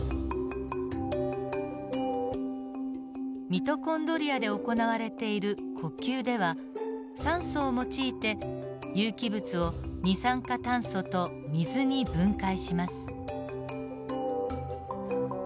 ミトコンドリアで行われている呼吸では酸素を用いて有機物を二酸化炭素と水に分解します。